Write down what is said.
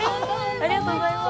ありがとうございます。